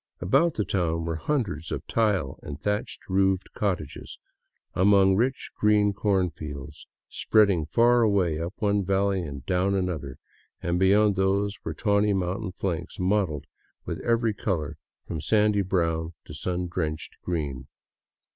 Abotit the town were hundreds of tile and thatch roofed cottages among rich, green cornfields, spreading far away up one valley and down another; and beyond these were tawny mountain flanks mottled with every color from sandy brown to sun drenched green.